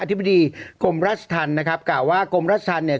ธิบดีกรมราชธรรมนะครับกล่าวว่ากรมราชธรรมเนี่ย